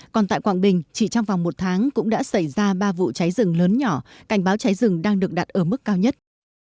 còn tại quảng bình chỉ trong vòng một tháng cũng đã xảy ra ba vụ cháy rừng lớn nhỏ cảnh báo cháy rừng đang được đặt ở mức cao nhất